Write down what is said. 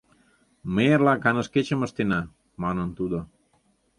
— Ме эрла каныш кечым ыштена, — манын тудо.